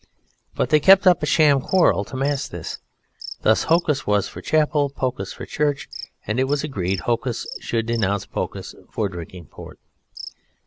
But they kept up a sham quarrel to mask this; thus Hocus was for Chapel, Pocus for Church, and it was agreed Hocus should denounce Pocus for drinking Port.